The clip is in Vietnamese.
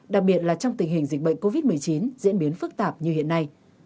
đặc biệt là trong tình hình dịch bệnh covid một mươi chín diễn biến phức tạp như hiện nay